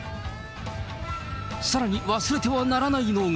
さらに忘れてはならないのが。